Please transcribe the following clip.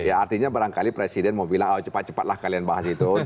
ya artinya barangkali presiden mau bilang oh cepat cepat lah kalian bahas itu